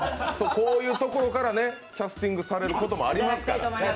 こういうところからキャスティングされることもありますから。